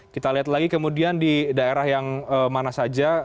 kita lihat lagi kemudian di daerah yang mana saja